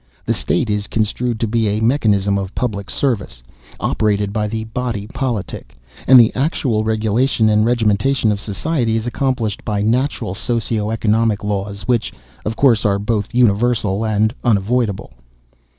The state is construed to be a mechanism of public service, operated by the Body Politic, and the actual regulation and regimentation of society is accomplished by natural socio economic laws which, of course, are both universal and unavoidable.